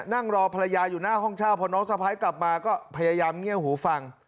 นั่งรอภรรยาอยู่หน้าห้องเช่าพอน้องสะพ้ายกลับมาก็พยายามเงียบหูฟัง